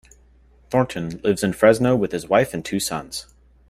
Thornton lives in Fresno with his wife and two sons.